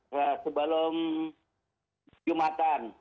presiden sebelum jumatan